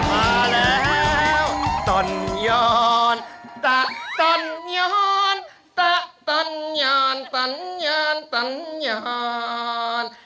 มาแล้วตอนยอนตะตอนยอนตะตอนยอนตอนยอนตอนยอน